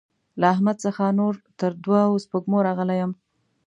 له احمد څخه نور تر دوو سپږمو راغلی يم.